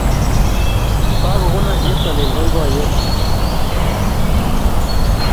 Kagogonon cheptailel boiboiyet